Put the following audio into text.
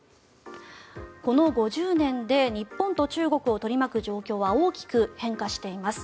この５０年で日本と中国を取り巻く状況は大きく変化しています。